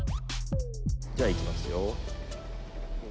「じゃあいきますよ」